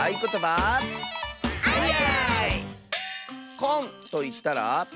「こん」といったら？